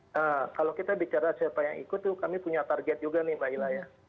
nah kalau kita bicara siapa yang ikut itu kami punya target juga nih mbak hila ya